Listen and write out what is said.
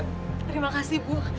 terima kasih bu